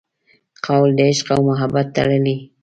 قول د عشق او محبت تړلي